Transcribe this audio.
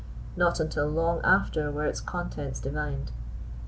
Not until long after were its contents divined.